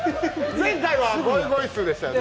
前回はゴイゴイスーでしたよね。